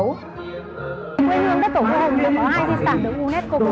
nguyên nhân đất tổ hồ hồng đều có hai di sản được unesco cung cấp